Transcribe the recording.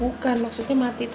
bukan maksudnya mati